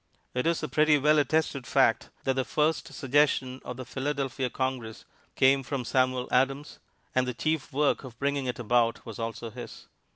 It is a pretty well attested fact that the first suggestion of the Philadelphia Congress came from Samuel Adams, and the chief work of bringing it about was also his.